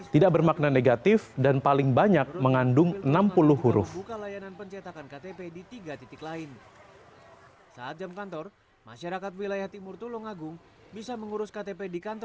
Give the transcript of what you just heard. tidak bermakna negatif dan paling banyak mengandung enam puluh huruf